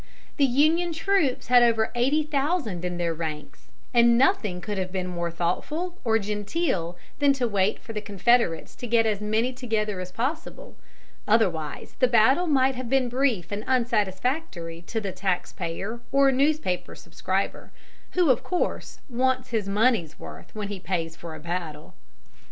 The Union troops had over eighty thousand in their ranks, and nothing could have been more thoughtful or genteel than to wait for the Confederates to get as many together as possible, otherwise the battle might have been brief and unsatisfactory to the tax payer or newspaper subscriber, who of course wants his money's worth when he pays for a battle. [Illustration: WANTS HIS MONEY'S WORTH WHEN HE PAYS FOR A BATTLE.